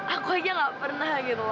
aku aja nggak pernah gitu loh